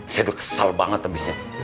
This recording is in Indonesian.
saya udah kesal banget habisnya